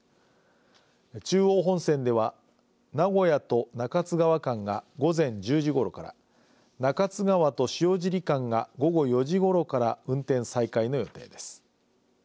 中央本線では名古屋と中津川間が午前１０時ごろから中津川と塩尻間が午後４時ごろから運転再開の予定です。